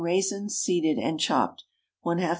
raisins, seeded and chopped. ½ lb.